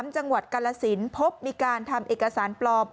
จังหวัดกาลสินพบมีการทำเอกสารปลอม